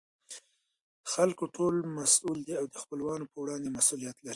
خلکو ټول مسئوول دي او دخپلوانو په وړاندې مسئولیت لري.